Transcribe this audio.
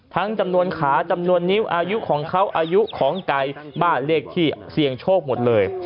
จำนวนขาจำนวนนิ้วอายุของเขาอายุของไก่บ้านเลขที่เสี่ยงโชคหมดเลย